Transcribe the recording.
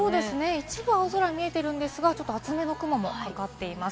一部、青空が見えていますが、厚めの雲がかかっています。